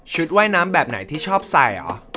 ว่ายน้ำแบบไหนที่ชอบใส่เหรอ